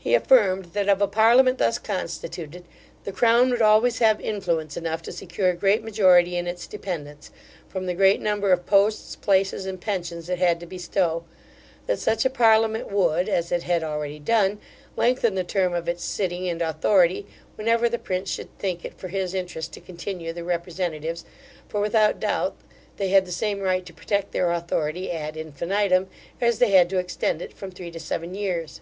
He affirmed, that of a parliament thus constituted, the crown would always have influence enough to secure a great majority in its dependence, from the great number of posts, places, and pensions it had to bestow; that such a parliament would (as it had already done) lengthen the term of its sitting and authority, whenever the prince should think it for his interest to continue the representatives, for, without doubt, they had the same right to protect their authority ad infinitum, as they had to extend it from three to seven years.